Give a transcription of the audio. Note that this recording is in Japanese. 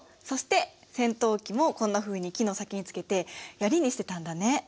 そして尖頭器もこんなふうに木の先につけてヤリにしてたんだね。